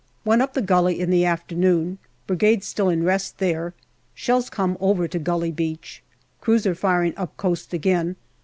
Went up the gully in the afternoon. Brigade still in rest there. Shells come over to Gully Beach. Cruiser firing up coast again.